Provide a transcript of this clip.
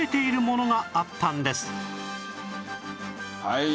はい。